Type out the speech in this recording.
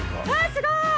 すごい！